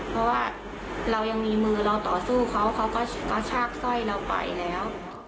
เพราะว่าเรายังมีมือเราต่อสู้เขาเขาก็กระชากสร้อยเราไปแล้ว